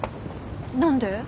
何で？